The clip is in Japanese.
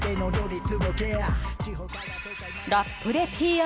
ラップでＰＲ